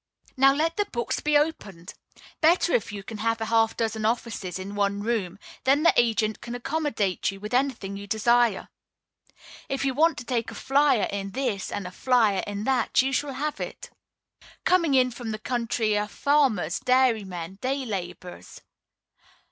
Now let the books be opened! Better if you can have a half dozen offices in one room; then the agent can accommodate you with anything you desire. If you want to take a "flyer" in this and a "flyer" in that, you shall have it. Coming in from the country are farmers, dairymen, day laborers.